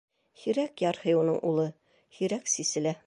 Һирәк ярһый уның улы, һирәк сиселә.